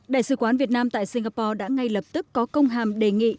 đại sứ quán việt nam tại singapore đã ngay lập tức có công hàm đề nghị